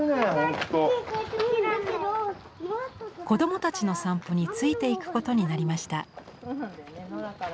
子どもたちの散歩についていくことになりました。